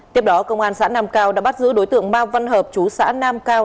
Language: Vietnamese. tiếp đó công an xã nam cao đã bắt giữ đối tượng ma văn hợp chú xã nam cao